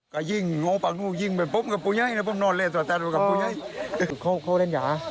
เขาเร่นยา